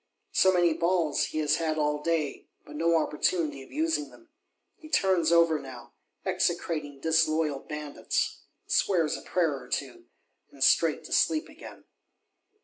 So many balls he has had all day; but no opportunity of using them: he turns over now, execrating disloyal bandits; swears a prayer or two, and straight to sleep again.